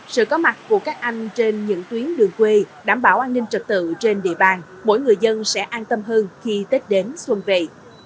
sự có mặt của các anh trên những tuyến đường quê đảm bảo an ninh trật tự trên địa bàn mỗi người dân sẽ an tâm hơn khi tết đến xuân về